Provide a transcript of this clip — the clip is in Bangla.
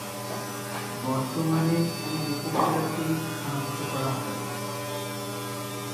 বর্তমানে কোন উপপ্রজাতি শনাক্ত করা হয়নি।